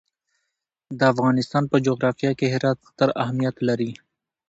د افغانستان په جغرافیه کې هرات ستر اهمیت لري.